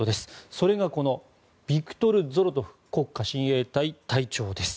それが、このビクトル・ゾロトフ国家親衛隊隊長です。